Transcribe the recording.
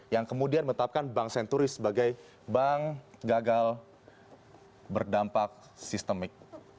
yang kemudian menetapkan bank senturi sebagai bank gagal berdampak sistemik